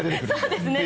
そうですね。